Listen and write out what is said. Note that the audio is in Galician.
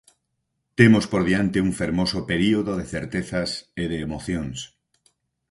Temos por diante un fermoso período de certezas e de emocións.